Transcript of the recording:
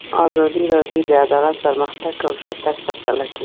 ازادي راډیو د عدالت پرمختګ او شاتګ پرتله کړی.